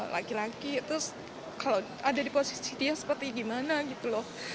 laki laki terus kalau ada di posisi dia seperti gimana gitu loh